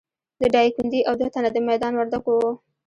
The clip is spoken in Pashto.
د ډایکنډي او دوه تنه د میدان وردګو وو.